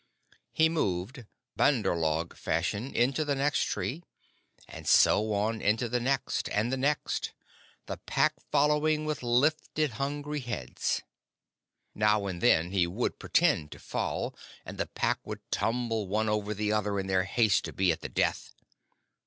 He moved, Bandar log fashion, into the next tree, and so on into the next and the next, the Pack following with lifted hungry heads. Now and then he would pretend to fall, and the Pack would tumble one over the other in their haste to be at the death.